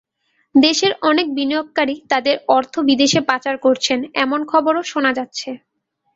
দেশের অনেক বিনিয়োগকারী তাঁদের অর্থ বিদেশে পাচার করছেন এমন খবরও শোনা যাচ্ছে।